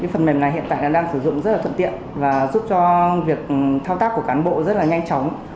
phần mềm này hiện tại đang sử dụng rất là thuận tiện và giúp cho việc thao tác của cán bộ rất là nhanh chóng